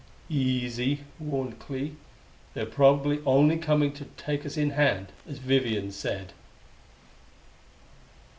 "Easy," warned Clee. "They're probably only coming to take us in hand, as Vivian said."